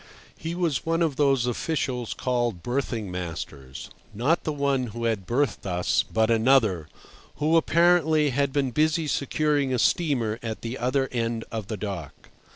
He was one of those officials called berthing masters—not the one who had berthed us, but another, who, apparently, had been busy securing a steamer at the other end of the dock.